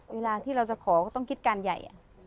เวลาที่เราจะขอก็ต้องคิดการใหญ่